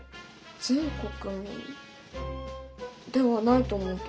全国民ではないと思うけど。